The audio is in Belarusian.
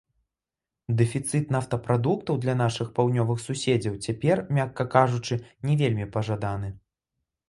Дэфіцыт нафтапрадуктаў для нашых паўднёвых суседзяў цяпер, мякка кажучы, не вельмі пажаданы.